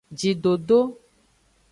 Jidodo.